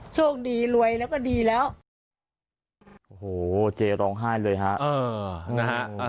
โชคดีรวยแล้วก็ดีแล้วโอ้โหเจร้องไห้เลยฮะเออนะฮะ